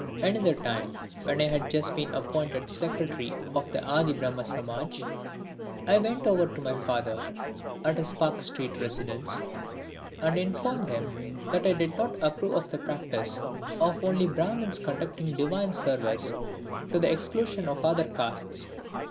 Another time, when I had just been appointed Secretary of the Adi Brahma Samaj, I went over to my father, at his Park Street residence, and informed him that I did not approve of the practice of only Brahmins conducting divine service to the exclusion of other castes.